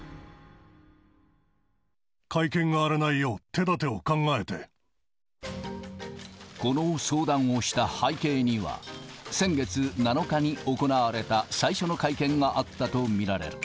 会見が荒れないよう、手だてこの相談をした背景には、先月７日に行われた最初の会見があったと見られる。